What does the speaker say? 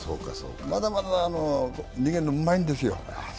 まだまだ落合は逃げるのうまいんですよ。